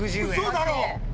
嘘だろ！？